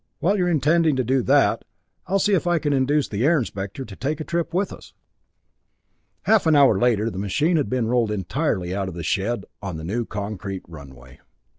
While you're tending to that, I'll see if I can induce the Air Inspector to take a trip with us." Half an hour later the machine had been rolled entirely out of the shed, on the new concrete runway.